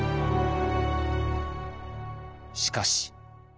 しかし。